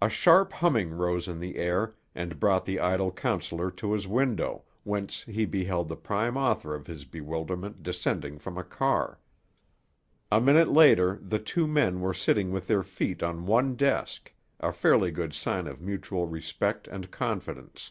A sharp humming rose in the air, and brought the idle counselor to his window, whence he beheld the prime author of his bewilderment descending from a car. A minute later the two men were sitting with their feet on one desk, a fairly good sign of mutual respect and confidence.